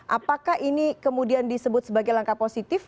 apakah ini kemudian disebut sebagai langkah positif